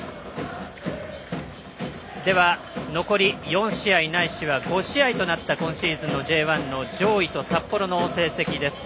では、残りが４試合ないし５試合となった今シーズンＪ１の上位と札幌の成績です。